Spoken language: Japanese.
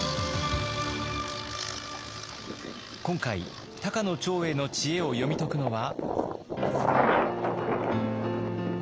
今回高野長英の知恵を読み解くのは。